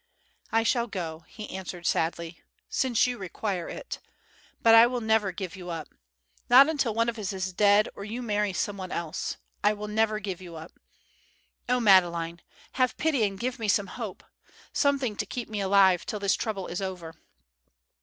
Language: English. "I shall go," he answered sadly, "since you require it, but I will never give you up. Not until one of us is dead or you marry someone else—I will never give you up. Oh, Madeleine, have pity and give me some hope; something to keep me alive till this trouble is over."